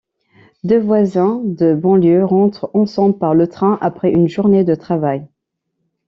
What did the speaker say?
Deux voisins de banlieue rentrent ensemble par le train après une journée de travail.